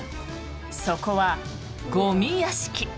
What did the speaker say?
そこはゴミ屋敷。